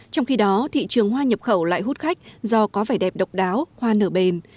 trong khi đó thị trường hoa nhập khẩu lại hút khách do có vẻ đẹp độc đáo hoa nở bền